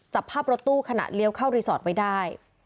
จับภาพรถตู้ขณะเลี้ยวเข้ารีสอร์ทไว้ได้